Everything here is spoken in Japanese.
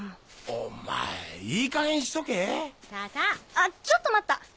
あっちょっと待った！